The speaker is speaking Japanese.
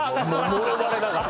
もろバレだから。